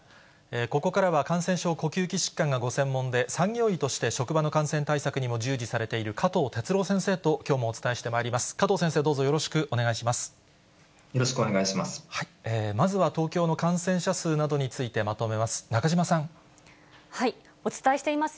ここからは感染症、呼吸器疾患がご専門で、産業医として職場の感染対策にも従事されている加藤哲朗先生ときょうもお伝えしてまいります。